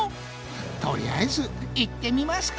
とりあえず行ってみますか。